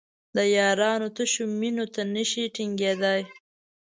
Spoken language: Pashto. د یارانو تشو مینو ته نشي ټینګېدای.